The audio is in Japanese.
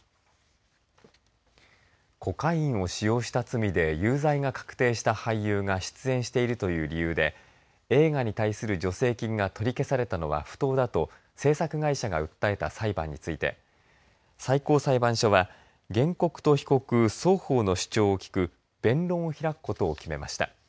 コカインを使用した罪で有罪が確定した俳優が出演しているという理由で映画に対する助成金が取り消されたのは不当だと制作会社が訴えた裁判について最高裁判所は原告と被告、双方の主張を聞く弁論を開くことを決めました。